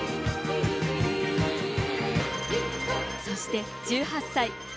そして１８歳。